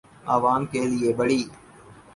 آعوام کے لئے بڑی